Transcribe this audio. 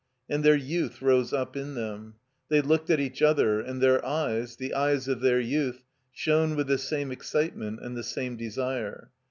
And their youth rose up in them. They looked at each other, and their eyes, the eyes of their youth, shone with the same excitement and the same desire.